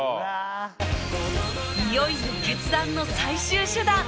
いよいよ決断の最終手段